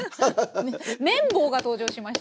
麺棒が登場しました。